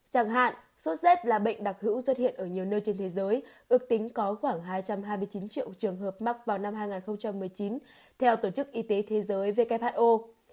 chẳng hạn sốt z là bệnh đặc hữu xuất hiện ở nhiều nơi trên thế giới ước tính có khoảng hai trăm hai mươi chín triệu trường hợp mắc vào năm hai nghìn một mươi chín theo tổ chức y tế thế giới who